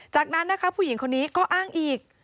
จากนั้นนะคะผู้หญิงคนนี้ก็อ้างอีก